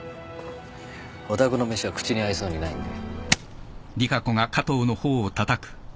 お宅の飯は口に合いそうにないんで。